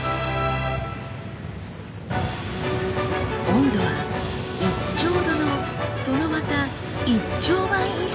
温度は１兆度のそのまた１兆倍以上！